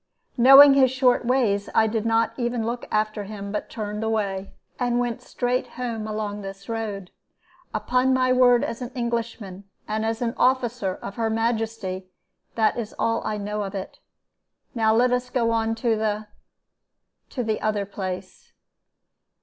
Knowing his short ways, I did not even look after him, but turned away, and went straight home along this road. Upon my word as an Englishman, and as an officer of her Majesty, that is all I know of it. Now let us go on to the to the other place.